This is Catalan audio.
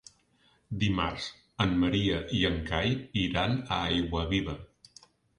Dimarts en Maria i en Cai iran a Aiguaviva.